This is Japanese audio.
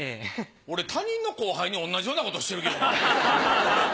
俺他人の後輩に同じようなことしてるけどな。